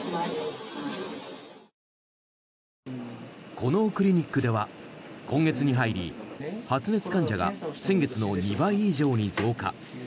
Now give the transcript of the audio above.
このクリニックでは今月に入り発熱患者が先月の２倍以上に増加。